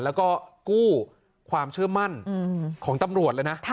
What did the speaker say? แล้วก็กู้ความเชื่อมั่นของตำรวจเลยนะ